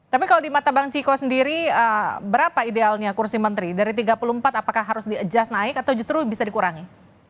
tapi kalau di mata bang ciko sendiri berapa idealnya kursi menteri dari tiga puluh empat apakah harus di adjust naik atau justru bisa dikurangi